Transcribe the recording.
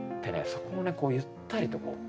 そこをゆったりとこう。